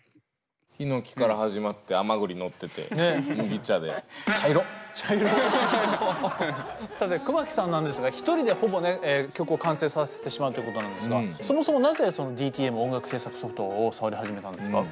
ヒノキから始まって甘栗のってて麦茶でさて熊木さんなんですが一人でほぼ曲を完成させてしまうということなんですがそもそもなぜＤＴＭ音楽制作ソフトを触り始めたんですか？